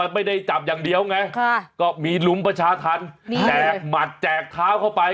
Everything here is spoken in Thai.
ไม่ได้จับอย่างเดียวไงก็มีลุมประชาธรรมแจกหมัดแจกเท้าเข้าไป